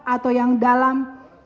atau yang dalam